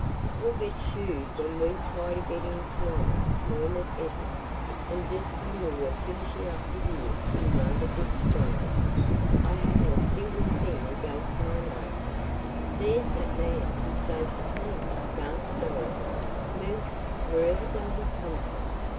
"We'll get shooed when we try to get in to night," murmured Edna. "And just when we were finishing up the year in rather good style. I hadn't a single thing against my name " "There's that man who saved the team," gasped Dorothy. "Mercy! Wherever does he come from?